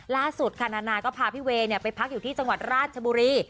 ล่าสุดค่ะนานาก็พาพี่เวย์ไปพักอยู่ที่จังหวัดราชบุรี